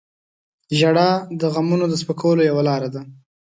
• ژړا د غمونو د سپکولو یوه لاره ده.